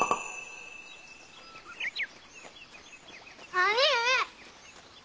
兄上！